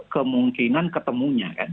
kemungkinan ketemunya kan